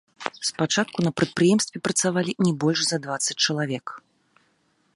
Спачатку на прадпрыемстве працавалі не больш за дваццаць чалавек.